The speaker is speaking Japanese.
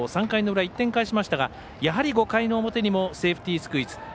３回の裏、１点返しましたがやはり５回の表にもセーフティースクイズ。